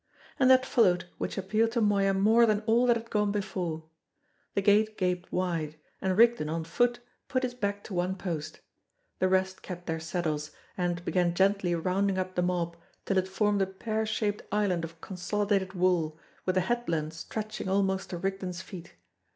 And that followed which appealed to Moya more than all that had gone before. The gate gaped wide, and Rigden on foot put his back to one post. The rest kept their saddles, and began gently rounding up the mob, till it formed a pear shaped island of consolidated wool, with the headland stretching almost to Rigden's feet.